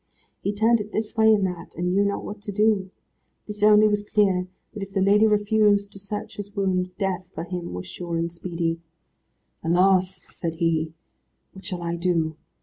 He turned it this way and that, and knew not what to do. This only was clear, that if the lady refused to search his wound, death, for him, was sure and speedy. "Alas," said he, "what shall I do!